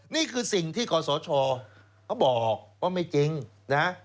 นี่คือสิ่งที่ขอสชเขาบอกว่าไม่จริงนะ